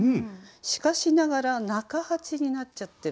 しかしながら中八になっちゃってるんですね。